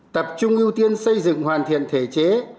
tập trung ưu tiên xây dựng hoàn thiện thể chế